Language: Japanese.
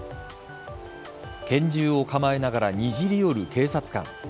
拳銃を構えながらにじり寄る警察官。